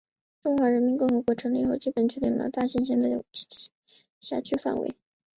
中华人民共和国成立后基本确定了大兴县的辖区范围。